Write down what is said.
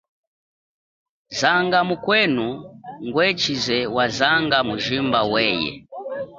Zanga mukwenu ngwe tshize wa zanga mujimba weye.